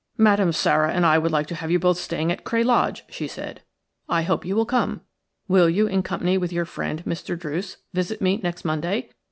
"'Madame Sara and l would like to have you both staying at Cray Lodge,' she said, 'I hope you will come. Will you, in company with your friend, Mr. Druce, visit me next Monday?